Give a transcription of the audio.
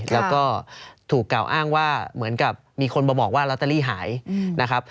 แล้วก็ถูกกล่าวอ้างว่าเหมือนกับมีคนมาบอกว่าลอตเตอรี่หายนะครับ